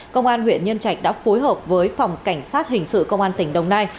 công an huyện nhân trạch đã phối hợp với phòng cảnh sát hình sự công an tỉnh đồng nai